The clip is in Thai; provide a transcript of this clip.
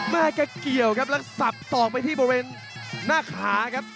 แกเกี่ยวครับแล้วสับสอกไปที่บริเวณหน้าขาครับ